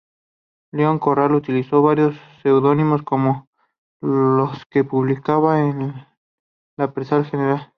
León Corral utilizó varios seudónimos con los que publicaba en la prensa general.